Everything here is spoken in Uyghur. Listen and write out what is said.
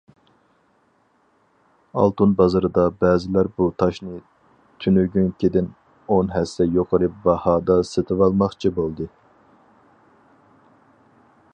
ئالتۇن بازىرىدا بەزىلەر بۇ تاشنى تۈنۈگۈنكىدىن ئون ھەسسە يۇقىرى باھادا سېتىۋالماقچى بولدى.